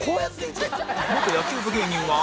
元野球部芸人は